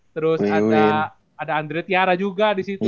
terus ada andre tiara juga disitu